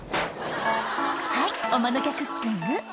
はいおマヌケクッキング